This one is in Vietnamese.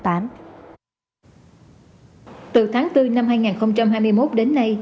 từ tháng bốn năm hai nghìn hai mươi một đến nay